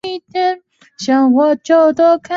同年加入中国社会主义青年团。